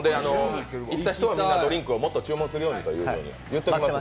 行った人はみんなドリンクをもっと注文するように言っておきます。